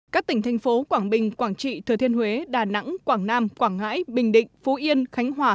các tỉnh thành phố quảng bình quảng trị thừa thiên huế đà nẵng quảng nam quảng ngãi bình định phú yên khánh hòa